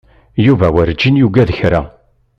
Yuba werǧin yuggad kra.